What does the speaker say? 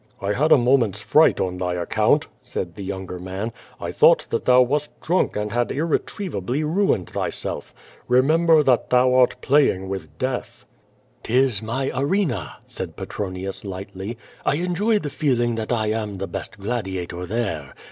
"I had a moment's fri<^dit on thy account," said the younger man, "I thought that thou wast drunk and had irretrievably ruined thyself. Remember that thou art playing with Death." 296 QU^ VADJS. «?r Tis my arena," said Pctronius lightly, ''I enjoy the feel ing that 1 am the best gladiator there.